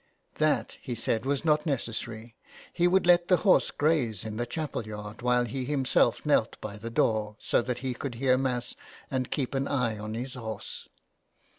That, he said, was not necessary. He would let the horse graze in the chapel yard while he himself knelt by the door, so that he could hear Mass and keep an eye on his horse.